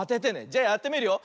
じゃやってみるよ。